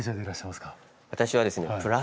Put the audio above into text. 私はですね